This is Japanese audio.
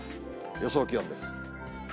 予想気温です。